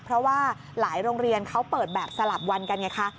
เพราะว่าหลายโรงเรียนเขาเปิดแบบสลับวันกันไงคะ